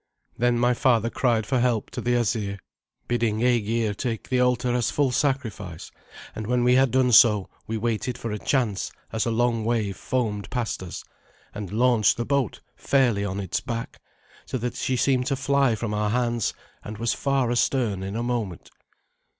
Then my father cried for help to the Asir, bidding Aegir take the altar as full sacrifice; and when we had done so we waited for a chance as a long wave foamed past us, and launched the boat fairly on its back, so that she seemed to fly from our hands, and was far astern in a moment.